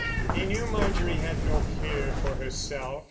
He knew Marjorie had no fear for herself.